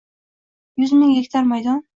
Yuz ming gektar maydon